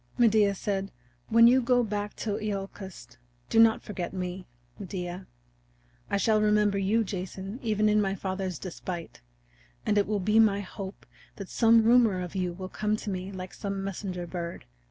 Medea said: "When you go back to Iolcus do not forget me, Medea. I shall remember you, Jason, even in my father's despite. And it will be my hope that some rumor of you will come to me like some messenger bird.